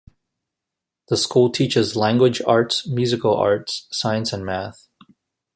The school teaches Language Arts, Musical Arts, Science and Math.